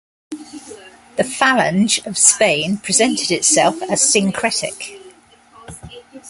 The Falange of Spain presented itself as syncretic.